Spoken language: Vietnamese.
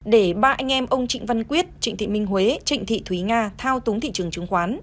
để ba anh em ông trịnh văn quyết trịnh thị minh huế trịnh thị thúy nga thao túng thị trường chứng khoán